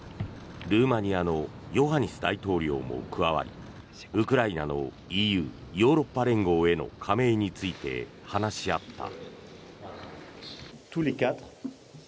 ルーマニアのヨハニス大統領も加わりウクライナのＥＵ・ヨーロッパ連合への加盟について話し合った。